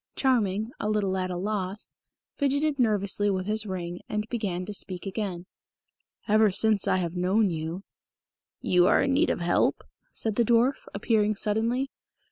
Charming, a little at a loss, fidgeted nervously with his ring, and began to speak again. "Ever since I have known you " "You are in need of help?" said the dwarf, appearing suddenly.